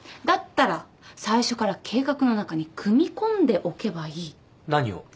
だったら最初から計画の中に組み込んでおけばいい。何を？